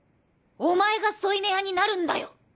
お前が添い寝屋になるんだよ。